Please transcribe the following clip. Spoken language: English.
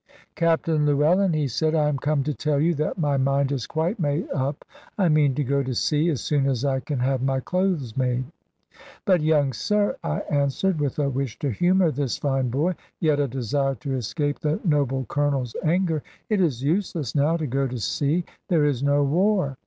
"Captain Llewellyn," he said; "I am come to tell you that my mind is quite made up. I mean to go to sea as soon as I can have my clothes made." "But, young sir," I answered, with a wish to humour this fine boy, yet a desire to escape the noble Colonel's anger; "it is useless now to go to sea. There is no war.